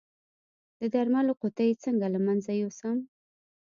د درملو قطۍ څنګه له منځه یوسم؟